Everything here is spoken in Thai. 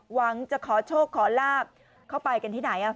หวังจะขอโชคขอลาบเข้าไปกันที่ไหน